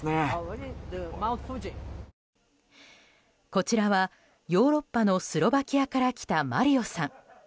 こちらはヨーロッパのスロバキアから来たマリオさん。